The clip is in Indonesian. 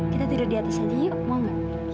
kita tidur di atas hati yuk mau gak